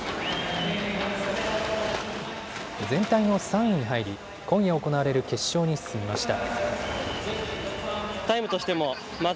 全体の３位に入り今夜、行われる決勝に進みました。